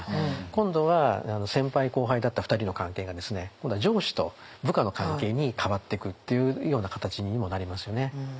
今度は先輩後輩だった２人の関係がですね今度は上司と部下の関係に変わってくっていうような形にもなりますよね。